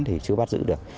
thì chưa bắt giữ được